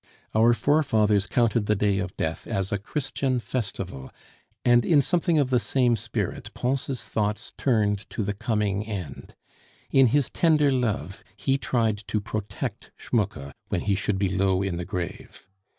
Our forefathers counted the day of death as a Christian festival, and in something of the same spirit Pons' thoughts turned to the coming end. In his tender love he tried to protect Schmucke when he should be low in the grave.